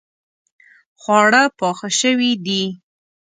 خواړه پاخه شوې دي